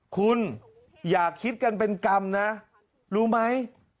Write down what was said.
คุณอย่าคิดกันเป็นกรรมนะรู้ไหม